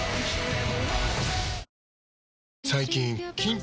え？